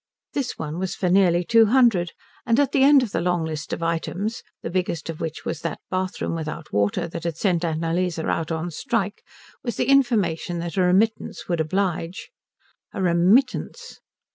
This one was for nearly two hundred; and at the end of the long list of items, the biggest of which was that bathroom without water that had sent Annalise out on strike, was the information that a remittance would oblige. A remittance!